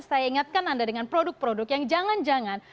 saya ingatkan anda dengan produk produk yang jangan jangan